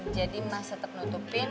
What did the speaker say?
jadi mas tetep nutupin